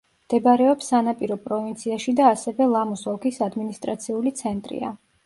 მდებარეობს სანაპირო პროვინციაში და ასევე ლამუს ოლქის ადმინისტრაციული ცენტრია.